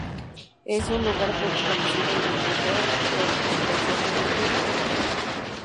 Es un lugar poco conocido y muy lindo por su paisaje limpio y tranquilo.